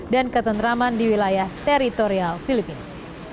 dan ketenraman di wilayah teritorial filipina